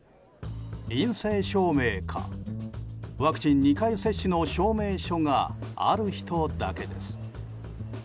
陰性証明か、ワクチン２回接種の証明書がある人だけです。